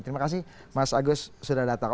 terima kasih mas agus sudah datang